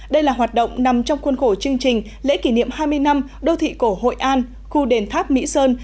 đây là hoạt động nằm trong khuôn khổ chương trình lễ kỷ niệm hai mươi năm đô thị cổ hội an khu đền tháp mỹ sơn